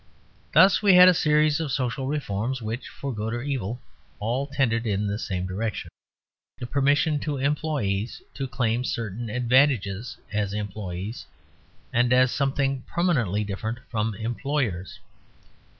Thus we had a series of social reforms which, for good or evil, all tended in the same direction; the permission to employees to claim certain advantages as employees, and as something permanently different from employers.